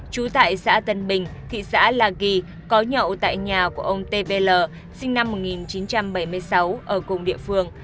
trú tại xã tân bình thị xã là kỳ có nhậu tại nhà của ông tpl sinh năm một nghìn chín trăm bảy mươi sáu ở cùng địa phương